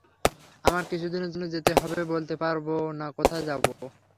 আমার কিছুদিনের জন্য যেতে হবে বলতে পারব না কোথায় যাব।